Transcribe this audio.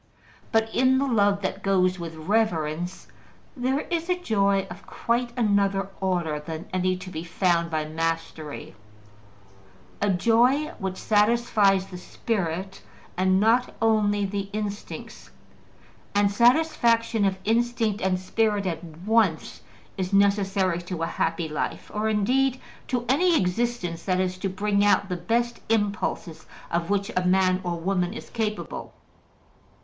But in the love that goes with reverence there is a joy of quite another order than any to be found by mastery, a joy which satisfies the spirit and not only the instincts; and satisfaction of instinct and spirit at once is necessary to a happy life, or indeed to any existence that is to bring out the best impulses of which a man or woman is capable.